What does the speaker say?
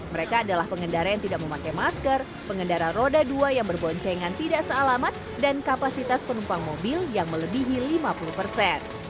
mereka adalah pengendara yang tidak memakai masker pengendara roda dua yang berboncengan tidak sealamat dan kapasitas penumpang mobil yang melebihi lima puluh persen